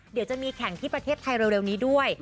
เดี๋ยวจะมีแข่งที่ประเทศไทยเร็วนี้ด้วย